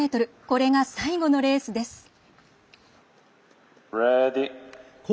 これが最後のレースです。